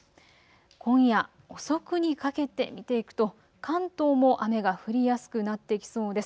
今夜遅くにかけて見ていくと関東も雨が降りやすくなってきそうです。